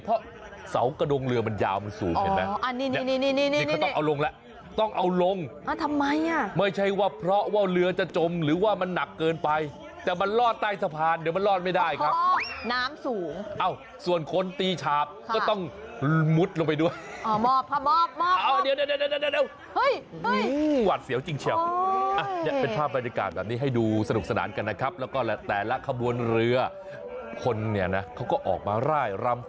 เพราะเสากระดงเรือมันยาวมันสูงเห็นไหม